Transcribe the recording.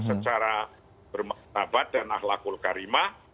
secara bermakna bat dan akhlakul karimah